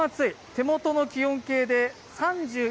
手元の気温計で３１．８度。